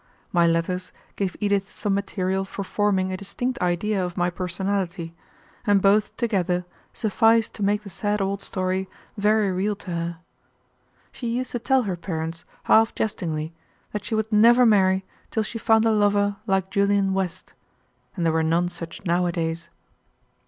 My letters gave Edith some material for forming a distinct idea of my personality, and both together sufficed to make the sad old story very real to her. She used to tell her parents, half jestingly, that she would never marry till she found a lover like Julian West, and there were none such nowadays.